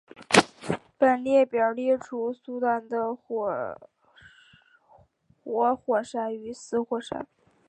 本列表列出苏丹的活火山与死火山。